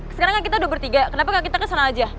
sekarang kan kita udah bertiga kenapa gak kita kesana aja